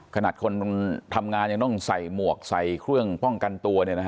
ขนาดคนทำงานยังต้องใส่หมวกใส่เครื่องป้องกันตัว